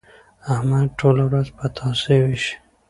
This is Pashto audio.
احمد ټوله ورځ پتاسې وېشي.